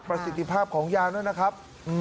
ประสิทธิภาพของยางด้วยนะครับ